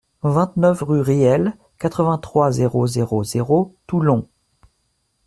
vingt-neuf rue Réhel, quatre-vingt-trois, zéro zéro zéro, Toulon